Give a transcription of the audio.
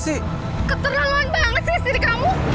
ia terlalu banyak istri kamu